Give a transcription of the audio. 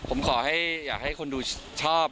ผมขอให้อยากให้คนดูชอบ